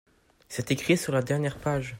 C'est écrit sur la dernière page.